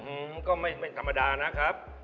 อืมก็ไม่ธรรมดานะครับ